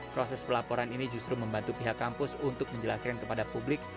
proses pelaporan ini justru membantu pihak kampus untuk menjelaskan kepada publik